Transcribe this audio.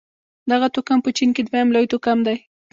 دغه توکم په چين کې دویم لوی توکم دی.